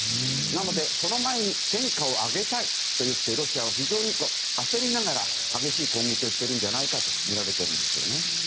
なのでその前に戦果を挙げたいといってロシアは非常に焦りながら激しい攻撃をしているのではとみられているんですよね。